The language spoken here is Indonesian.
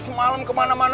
ibu mendekades umurmu